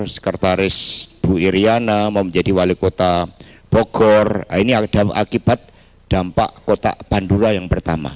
sekretaris bu iryana mau menjadi wali kota bogor ini ada akibat dampak kotak pandura yang pertama